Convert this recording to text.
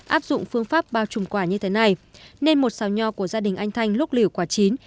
áp dụng phương pháp bao trùm quả như thế này nên một xào nho của gia đình anh thanh lúc lửa quả chín